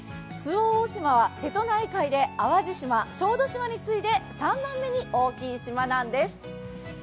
周防大島は瀬戸内海で淡路島、小豆島に次いで３番目に大きい島なんです。